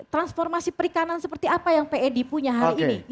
transformasi perikanan seperti apa yang ped punya hari ini